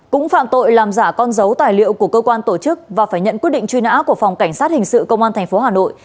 cũng phạm tội làm giả con dấu tài liệu của cơ quan tổ chức và phải nhận quyết định truy nã của phòng cảnh sát hình sự công an tp hà nội